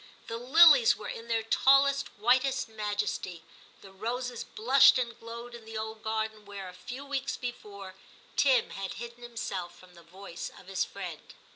The lilies were in their tallest, whitest majesty, the roses blushed and glowed in the old garden, where, a few weeks before, Tim had hidden himself from the voice of his friend.